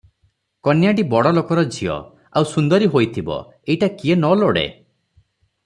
କନ୍ୟାଟି ବଡ଼ ଲୋକର ଝିଅ, ଆଉ ସୁନ୍ଦରୀ ହୋଇଥିବ, ଏଇଟା କିଏ ନ ଲୋଡ଼େ?